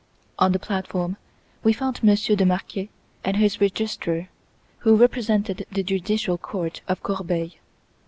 On the platform we found Monsieur de Marquet and his Registrar, who represented the Judicial Court of Corbeil.